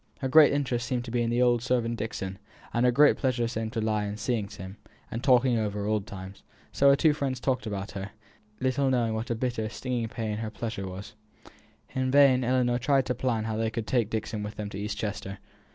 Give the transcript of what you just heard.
Her great interest seemed to be in the old servant Dixon, and her great pleasure to lie in seeing him, and talking over old times; so her two friends talked about her, little knowing what a bitter, stinging pain her "pleasure" was. In vain Ellinor tried to plan how they could take Dixon with them to East Chester.